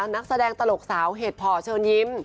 นักแสดงตลกสาวเหตุพอเชิญยิ้ม